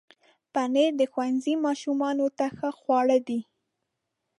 پنېر د ښوونځي ماشومانو ته ښه خواړه دي.